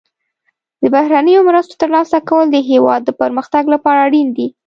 د بهرنیو مرستو ترلاسه کول د هیواد د پرمختګ لپاره اړین دي.